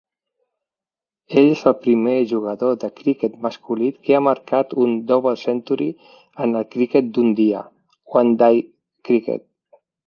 Ell és el primer jugador de criquet masculí que ha marcat un "double-century" en el criquet d'un dia (one-day cricket).